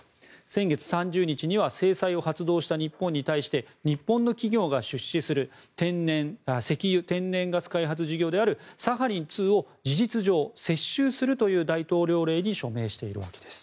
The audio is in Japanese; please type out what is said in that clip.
先月３０日には制裁を発動した日本に対して日本の企業が出資する石油・天然ガス開発事業であるサハリン２を事実上接収するという大統領令に署名しているわけです。